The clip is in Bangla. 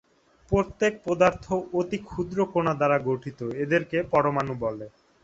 প্রত্যেক পদার্থ অতি ক্ষুদ্র কণা দ্বারা গঠিত, এদেরকে পরমাণু বলে।